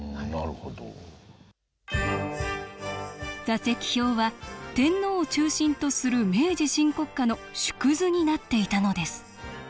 座席表は天皇を中心とする明治新国家の縮図になっていたのです。